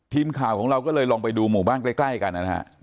ทีมข่าวของเราก็เลยลองไปดูหมู่บ้านใกล้กันนะฮะ